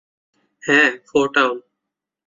হ্যাঁ, ফোর-টাউন!